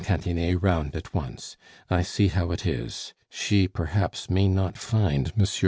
Cantinet round at once. I see how it is. She perhaps may not find M. Pons alive."